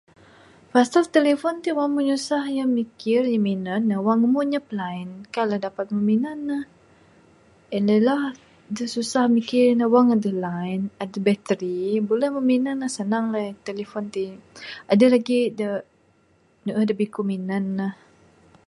Pasal telephone ti wang meh nyusah inya mikir inya minan ne Wang mu nyap line kaik lah dapat mu minan ne. En da lah susah mikir line adeh battery buleh mu minan ne sanang alai telephone ti adeh lagi de neeh lagih ku minan ne.